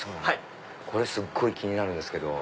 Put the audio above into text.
これすごい気になるんですけど。